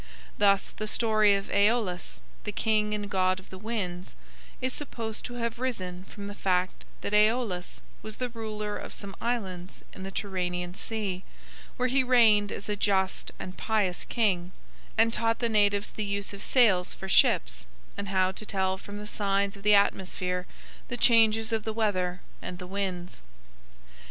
Thus the story of Aeolus, the king and god of the winds, is supposed to have risen from the fact that Aeolus was the ruler of some islands in the Tyrrhenian Sea, where he reigned as a just and pious king, and taught the natives the use of sails for ships, and how to tell from the signs of the atmosphere the changes of the weather and the winds.